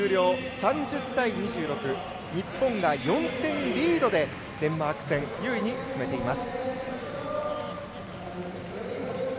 ３０対２６、日本が４点リードでデンマーク戦優位に進めています。